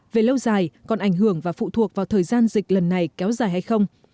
về lâu dài còn ảnh hưởng và phụ thuộc vào thời gian dịch lần này kéo dài hay không